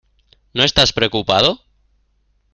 ¿ No estás preocupado?